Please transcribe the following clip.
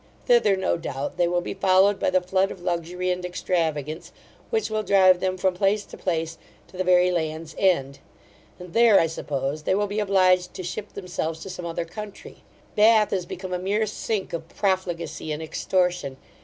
Thither, no doubt, they will be followed by the flood of luxury and extravagance, which will drive them from place to place to the very Land's End; and there, I suppose, they will be obliged to ship themselves to some other country. Bath is become a mere sink of profligacy and extortion.